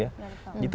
iya dari paud